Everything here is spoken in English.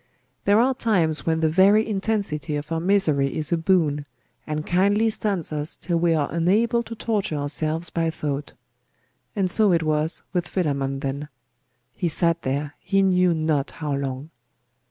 There are times when the very intensity of our misery is a boon, and kindly stuns us till we are unable to torture ourselves by thought. And so it was with Philammon then. He sat there, he knew not how long.